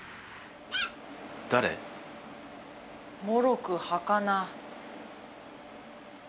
もろくはかな。